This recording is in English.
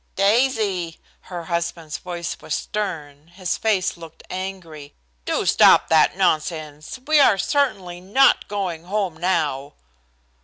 "Daisy!" Her husband's voice was stern, his face looked angry. "Do stop that nonsense. We are certainly not going home now."